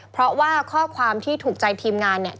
เพราะว่าข้อความที่ถูกใจทีมงานเนี่ย